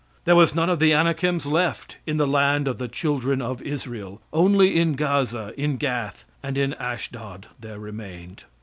"There was none of the Anakims left in the land of the children of Israel, only in Gaza, in Gath, and in Ashdod there remained.